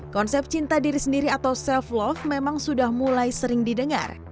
konsep cinta diri sendiri atau self love memang sudah mulai sering didengar